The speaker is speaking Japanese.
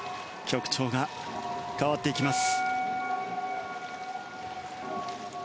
曲調が変わっていきます。